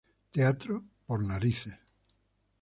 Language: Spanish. Teatro: Por narices.